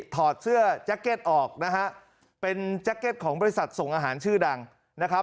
ถอดเสื้อออกนะฮะเป็นของบริษัทส่งอาหารชื่อดังนะครับ